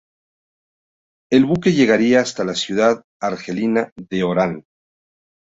El buque llegaría hasta la ciudad argelina de Orán.